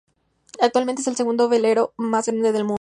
Actualmente es el segundo velero más grande del mundo.